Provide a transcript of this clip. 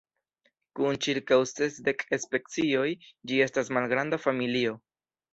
Kun ĉirkaŭ sesdek specioj ĝi estas malgranda familio.